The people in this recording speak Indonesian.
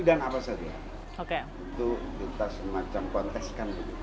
apa saja untuk kita semacam konteskan